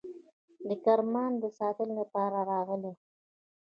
د کرمان د ساتنې لپاره راغلي وه.